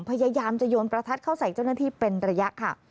พยายามจะโยนประทัดเข้าใส่เจ้าหน้าที่เป็นระยะค่ะ